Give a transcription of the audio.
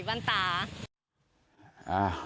ใช่บ้านตา